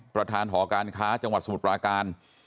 ประธานหอการค้าจังหวัดสมุทรปราการ